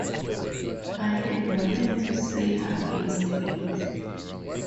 I had nothing to say against it.